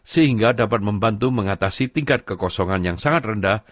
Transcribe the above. sehingga dapat membantu mengatasi tingkat kekosongan yang sangat rendah